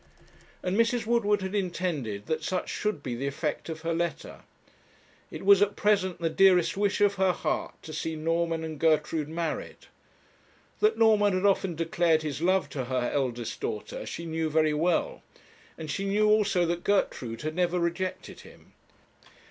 And Mrs. Woodward had intended that such should be the effect of her letter. It was at present the dearest wish of her heart to see Norman and Gertrude married. That Norman had often declared his love to her eldest daughter she knew very well, and she knew also that Gertrude had never rejected him.